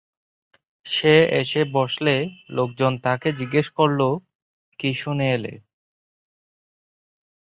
সে এসে বসলে লোকজন তাকে জিজ্ঞেস করলো: কি শুনে এলে।